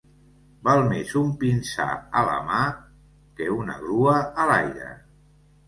Val més un pinsà a la mà que una grua a l'aire.